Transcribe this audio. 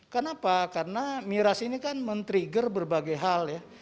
kenapa karena miras ini kan men trigger berbagai hal ya